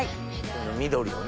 緑をね。